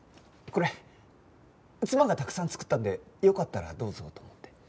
これ妻がたくさん作ったんでよかったらどうぞと思って。